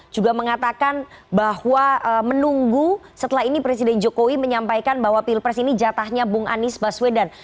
juga mengatakan bahwa menunggu setelah ini presiden jokowi menyampaikan bahwa pilpres ini jatahnya bung anies baswedan